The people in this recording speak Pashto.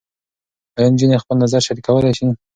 ایا نجونې خپل نظر شریکولی شي؟